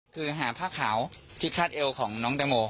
คือหาผ้าขาวที่คาดเอวของน้องแตงโม